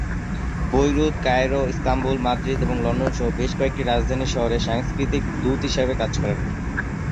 Beirut, Cairo, Istanbul, Madrid এবং London সহ বেশ কয়েকটি রাজধানী শহরে সাংস্কৃতিক দূত হিসাবে কাজ করেন।